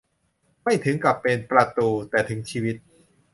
ไม่ถึงกับเป็นประตู แต่ถึงชีวิต